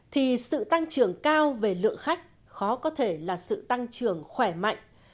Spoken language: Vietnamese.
thì sự tăng trưởng cao về lượng khách khó có thể là sự tăng trưởng khỏe mạnh